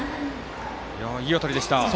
いい当たりでした。